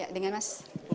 ya dengan mas